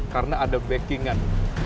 karena ada backing an